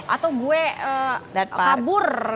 atau saya kabur